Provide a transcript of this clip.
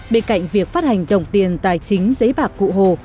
bên cạnh việc phát hành đồng tiền tài chính giấy bạc cụ hồ